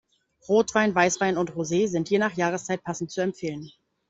Rotwein, Weißwein und Rosé sind je nach Jahreszeit passend zu empfehlen.